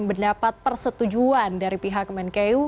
mendapat persetujuan dari pihak kemenkeu